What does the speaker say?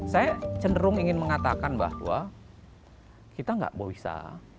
saya cenderung ingin mengatakan bahwa kita nggak bisa